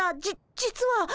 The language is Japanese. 実は。